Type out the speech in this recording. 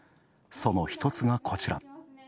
その一つが、こちら。